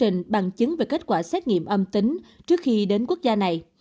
tổng thống biden đã đặt bằng chứng về kết quả xét nghiệm âm tính trước khi đến quốc gia này